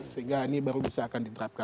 sehingga ini baru bisa akan diterapkan